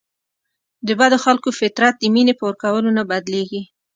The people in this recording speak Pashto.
د بدو خلکو فطرت د مینې په ورکولو نه بدلیږي.